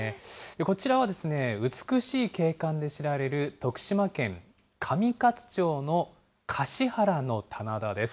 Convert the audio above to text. こちらはですね、美しい景観で知られる徳島県上勝町の樫原の棚田です。